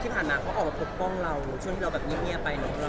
ที่ผ่านมาเขาออกมาปกป้องเราช่วงที่เราแบบเงียบไปเนอะ